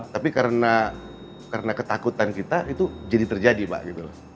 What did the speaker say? tapi karena ketakutan kita itu jadi terjadi pak gitu loh